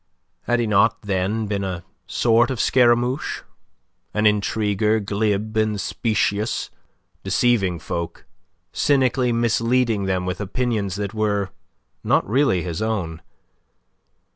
Had he not then been a sort of Scaramouche an intriguer, glib and specious, deceiving folk, cynically misleading them with opinions that were not really his own?